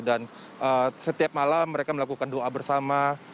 dan setiap malam mereka melakukan doa bersama